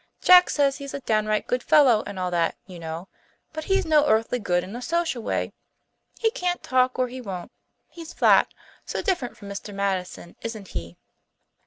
Jack says he is a downright good fellow and all that, you know. But he's no earthly good in a social way; he can't talk or he won't. He's flat. So different from Mr. Madison, isn't he?"